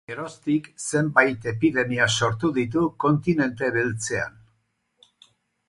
Geroztik, zenbait epidemia sortu ditu kontinente beltzean.